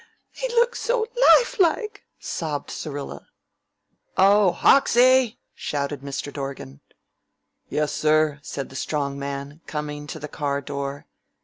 "He looks so lifelike!" sobbed Syrilla. "Oh, Hoxie!" shouted Mr. Dorgan. "Yes, sir?" said the Strong Man, coming to the car door.